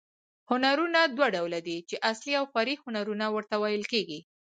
هنرونه دوه ډول دي، چي اصلي او فرعي هنرونه ورته ویل کېږي.